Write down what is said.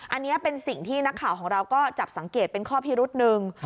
อันนี้เป็นสิ่งที่นักข่าวของเราก็จับสังเกตเป็นข้อพิรุษหนึ่ง